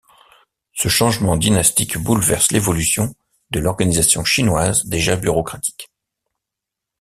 Ce changement dynastique bouleverse l'évolution de l'organisation chinoise, déjà bureaucratique.